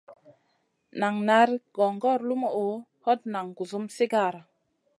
Nan nari gongor lumuʼu, hot nan gusum sigara.